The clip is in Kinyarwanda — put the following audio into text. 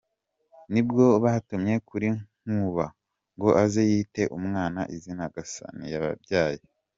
Nibwo batumye kuri Nkuba ngo aze yite umwana izina Gasani yabyaye.